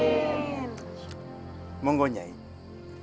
mungkin jenengan akan menyampaikan sesuatu kepada jamaah disini